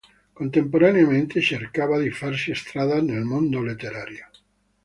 Contemporaneamente cercava di farsi strada nel mondo letterario.